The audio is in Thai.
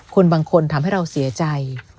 คนบางคนทำให้เราเสียใจ